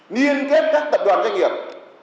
liên kết các tập đoàn doanh nghiệp